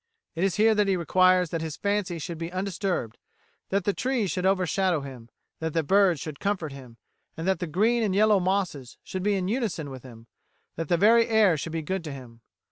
It is here that he requires that his fancy should be undisturbed, that the trees should overshadow him, that the birds should comfort him, that the green and yellow mosses should be in unison with him, that the very air should be good to him.